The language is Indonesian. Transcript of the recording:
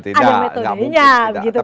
ada metodenya begitu kan